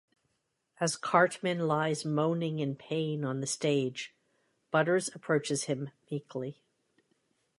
As Cartman lies moaning in pain on the stage, Butters approaches him meekly.